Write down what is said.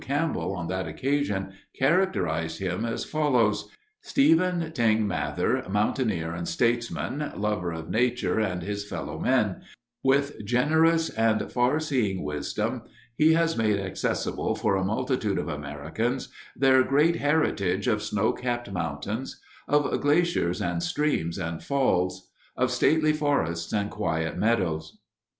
Campbell on that occasion characterized him as follows: "Stephen Tyng Mather, mountaineer and statesman; lover of Nature and his fellow men; with generous and farseeing wisdom he has made accessible for a multitude of Americans their great heritage of snow capped mountains, of glaciers and streams and falls, of stately forests and quiet meadows."